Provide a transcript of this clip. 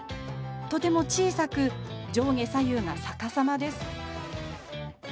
とても小さく上下左右が逆さまです。